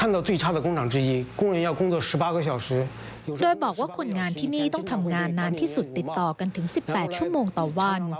โดยบอกว่าคนงานที่นี่ต้องทำงานนานที่สุดติดต่อกันถึง๑๘ชั่วโมงต่อวัน